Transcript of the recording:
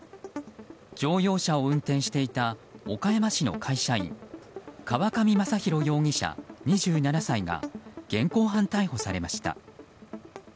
乗用車を運転していた岡山市の会社員川上征泰容疑者、２７歳が現行犯逮捕されました。